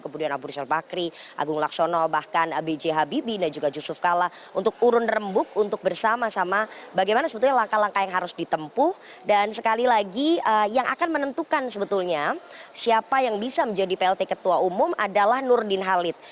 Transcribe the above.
kemudian abu rizal bakri agung laksono bahkan b j habibie dan juga yusuf kalla untuk urun rembuk untuk bersama sama bagaimana sebetulnya langkah langkah yang harus ditempuh dan sekali lagi yang akan menentukan sebetulnya siapa yang bisa menjadi plt ketua umum adalah nurdin halid